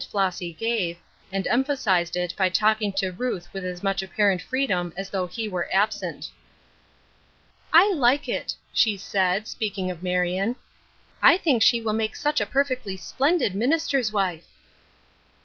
Flossy gave, and emphasized it by talking to Ruth with as much apparent freedom as though he were absent. " I like it," she said, speaking of Marion. ''I think she will make such a perfectly splendid minister's wife."